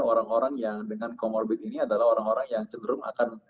orang orang yang dengan comorbid ini adalah orang orang yang cenderung akan